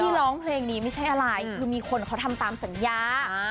ร้องเพลงนี้ไม่ใช่อะไรคือมีคนเขาทำตามสัญญา